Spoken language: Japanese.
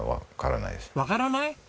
わからない？